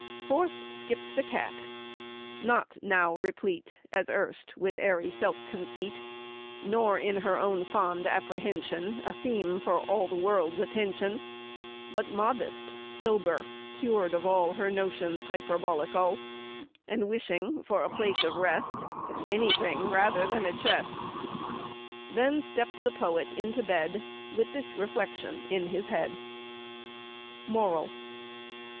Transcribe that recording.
Forth skipp'd the cat, not now replete As erst with airy self conceit, Nor in her own fond apprehension A theme for all the world's attention, But modest, sober, cured of all Her notions hyperbolical, And wishing for a place of rest Any thing rather than a chest. Then stepp'd the poet into bed With this reflection in his head: MORAL.